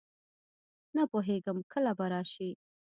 نه پوهېږم کله به راشي.